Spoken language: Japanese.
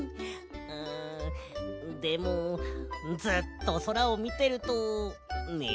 うんでもずっとそらをみてるとねむくなりそう。